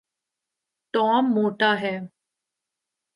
Tom موٹا ہے